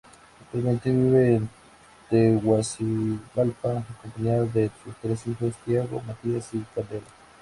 Actualmente vive en Tegucigalpa, acompañado de sus tres hijos, Thiago, Matías y Candela.